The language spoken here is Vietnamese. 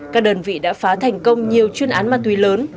các đơn vị đã phá thành công nhiều chuyên án ma túy lớn